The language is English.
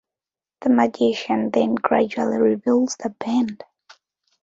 The magician then gradually reveals the bend.